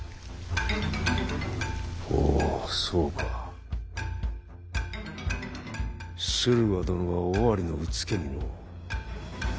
ほうそうか駿河殿が尾張のうつけにのう。